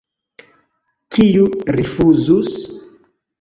Kiu rifuzus?